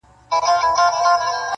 نوي نوي تختې غواړي قاسم یاره,